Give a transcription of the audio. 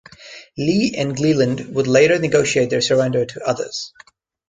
Lee and Gililland would later negotiate their surrender to others.